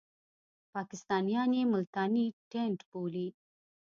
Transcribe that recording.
پاکستانیان یې ملتانی ټېنټ بولي.